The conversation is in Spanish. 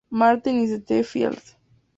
Martin in the Fields".